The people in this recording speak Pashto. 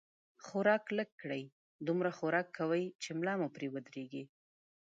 خوراک لږ کړئ، دومره خوراک کوئ، چې ملا مو پرې ودرېږي